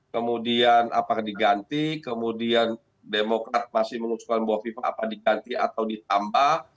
kemudian apakah diganti kemudian demokrat masih mengusulkan bahwa viva apa diganti atau ditambah